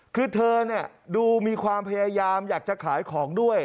คือเธอดูมีความพยายามอยากจะขายของด้วย